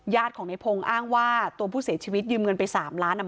ของในพงศ์อ้างว่าตัวผู้เสียชีวิตยืมเงินไป๓ล้านอ่ะ